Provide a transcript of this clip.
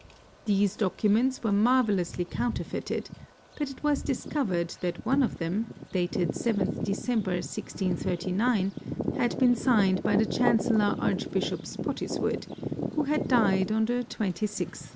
These documents were marvellously counterfeited, but it was discovered that one of them, dated 7th December, 1639, had been signed by the Chancellor Archbishop Spottiswood, who had died on the 26th.